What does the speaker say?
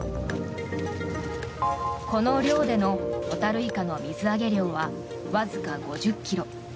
この漁でのホタルイカの水揚げ量はわずか５０ｋｇ。